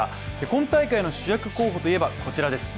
今大会の主役候補といえば、こちらです。